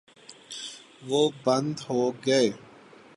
وہ بند ہو گئے۔